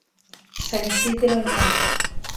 San Isidro en mayo.